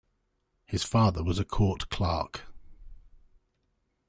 His father was a court clerk.